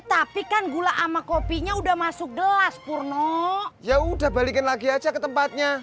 tapi kan gula sama kopinya udah masuk gelas purno ya udah balikin lagi aja ke tempatnya